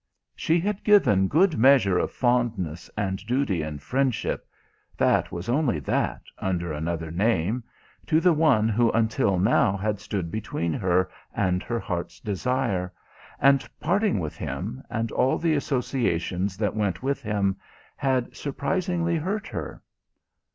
She had given good measure of fondness and duty and friendship that was only that under another name to the one who until now had stood between her and her heart's desire, and parting with him, and all the associations that went with him, had surprisingly hurt her.